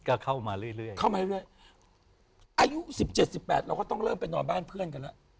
ก็เข้ามาเรื่อยเข้ามาเรื่อยอายุสิบเจ็ดสิบแปดเราก็ต้องเริ่มไปนอนบ้านเพื่อนกันแล้ว